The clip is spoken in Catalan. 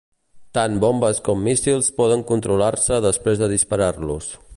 Tant bombes com míssils poden controlar-se després de disparar-los.